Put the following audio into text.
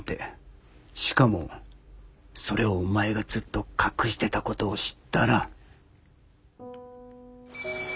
しかもそれをお前がずっと隠してたことを知ったら。